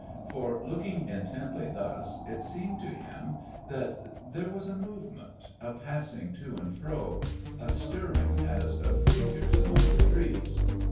For, looking intently thus, it seemed to him that there was a movement, a passing to and fro, a stirring as of figures among the trees....